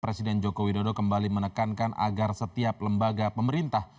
presiden jokowi dodo kembali menekankan agar setiap lembaga pemerintah